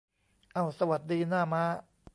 เอ้า สวัสดี หน้าม้า